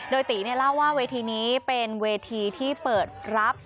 โดยตีเล่าว่าเวทีนี้เป็นเวทีที่เปิดรับ